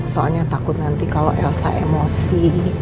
soalnya takut nanti kalau elsa emosi